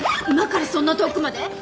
今からそんな遠くまで？